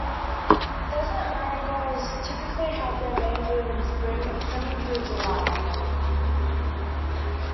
Desert marigolds typically have their main bloom in the spring, extending through July.